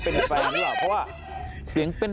เป็นแฟน